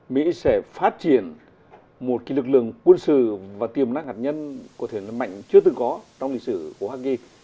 mỹ sẽ phát triển một lực lượng quân sự và tiềm năng hạt nhân có thể mạnh chưa từng có trong lịch sử của hoa kỳ